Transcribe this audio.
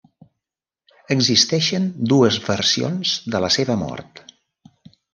Existeixen dues versions de la seva mort.